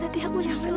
nanti aku akan datang